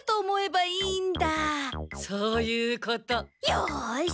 よし！